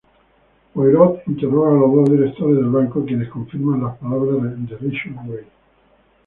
Poirot interroga a los dos directores del banco, quienes confirman las palabras de Ridgeway.